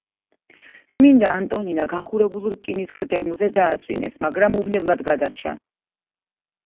წმინდა ანტონინა გახურებულ რკინის გრდემლზე დააწვინეს, მაგრამ უვნებლად გადარჩა.